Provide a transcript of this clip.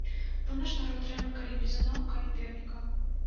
Бо наш народ трэба калі бізуном, калі пернікам.